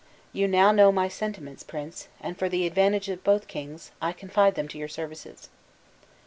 You now know my sentiments, prince; and for the advantage of both kings, I confide them to your services."